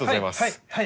はい！